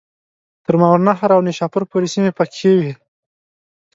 تر ماوراءالنهر او نیشاپور پوري سیمي پکښي وې.